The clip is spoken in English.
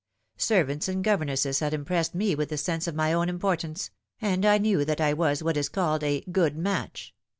Servants and governesses had impressed me with the sense of my own importance, and I knew that I was what is called a good match.